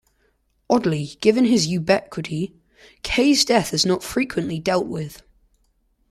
Oddly, given his ubiquity, Kay's death is not frequently dealt with.